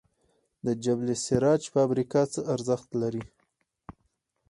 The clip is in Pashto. د جبل السراج فابریکه څه ارزښت لري؟